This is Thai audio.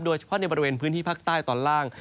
โดยเฉพาะในบริเวณพื้นที่ภาคใต้ตอนล่าง